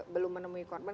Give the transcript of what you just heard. belum menemui korban